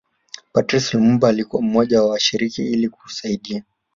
Patrice Lumumba alikuwa mmoja wa washiriki ili kusaidia